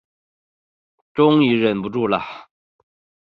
终于忍不住了